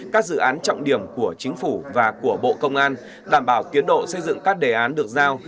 các dự án trọng điểm của chính phủ và của bộ công an đảm bảo tiến độ xây dựng các đề án được giao